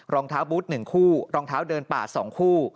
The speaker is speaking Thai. รองเท้าบุ๊ตหนึ่งคู่รองเท้าเดินป่าสองคู่